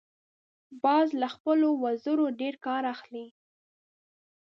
باز له خپلو وزرونو ډیر کار اخلي